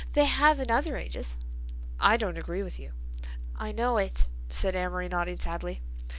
They have in other ages." "I don't agree with you." "I know it," said Amory nodding sadly.